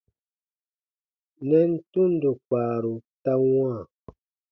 Nɛn tundo kpaaru ta wãa.